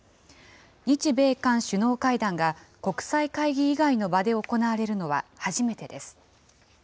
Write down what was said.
日米韓首脳会談が国際会議以外の場で行われるのは初めてです。